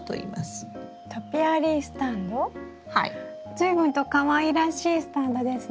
随分とかわいらしいスタンドですね。